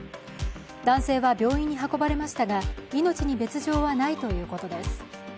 男性は病院に運ばれましたが、命に別状はないということです。